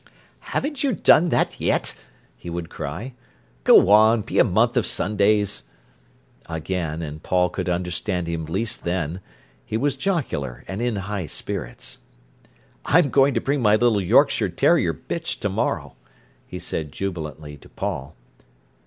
"Haven't you done that yet?" he would cry. "Go on, be a month of Sundays." Again, and Paul could understand him least then, he was jocular and in high spirits. "I'm going to bring my little Yorkshire terrier bitch to morrow," he said jubilantly to Paul.